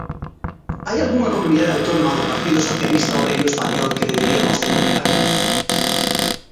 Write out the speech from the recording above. ¿Hai algunha comunidade autónoma do Partido Socialista Obreiro Español que deberiamos de copiar?